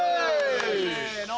せの。